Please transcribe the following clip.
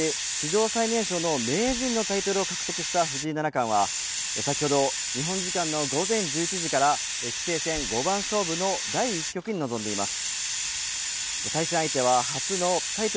今月１日、史上最年少の名人のタイトルを獲得した藤井七冠は先ほど、日本時間の午前１１時から棋聖戦五番勝負の第１局に臨んでいます。